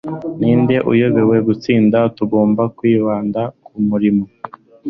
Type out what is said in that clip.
ninde uyobewe gutsinda? tugomba kwibanda ku murimo